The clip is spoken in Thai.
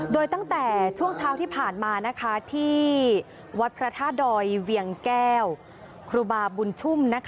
โดยตั้งแต่ช่วงเช้าที่ผ่านมาที่วัดพระธาตุดอยเวียงแก้วครูบาบุญชุ่ม